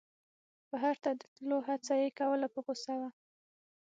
بهر ته د وتلو هڅه یې کوله په غوسه و.